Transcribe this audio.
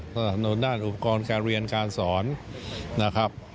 ถนนด้านอุปกรณ์การเรียนการสอนนะครับ